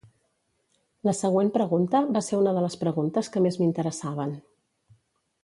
La següent pregunta va ser una de les preguntes que més m'interessaven.